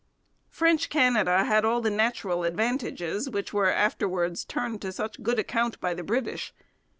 French Canada had all the natural advantages which were afterwards turned to such good account by the British.